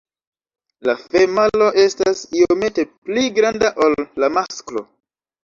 La femalo estas iomete pli granda ol la masklo.